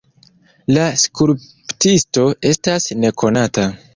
La skulptisto estas nekonata.